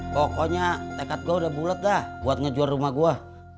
pokoknya tekad gua udah bulet dah buat ngejuar rumah gua